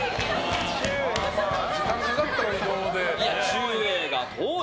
ちゅうえいが遠い！